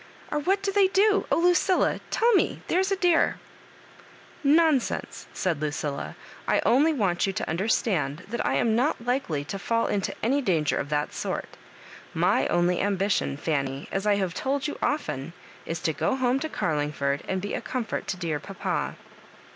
— or what do they do? — Oh, Lucilla, tell me, there's a dear I" "Nonsense," said Lucilla, "I only want you to understand that I am not likely to fall into any danger of that sort My only ambition, Fanny, as I have told you often, is to go home to Oarlingford and be a comfort to dear papa."